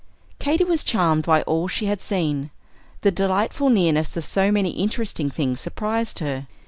Katy was charmed by all she had seen. The delightful nearness of so many interesting things surprised her.